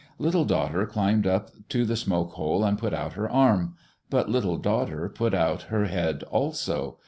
Little Daughter climbed up to the smoke hole and put out her arm. But Little Daughter put out her head also.